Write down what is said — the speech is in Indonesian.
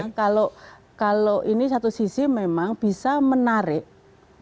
nah artinya kalau ini satu sisi memang bisa menarik meningkatkan konsumsi dari sisi